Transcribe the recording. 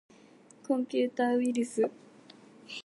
コンピューターウイルス